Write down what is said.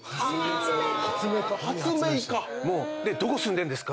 発明家⁉どこ住んでるんですか？